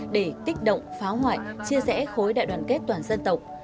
để kích động phá hoại chia rẽ khối đại đoàn kết toàn dân tộc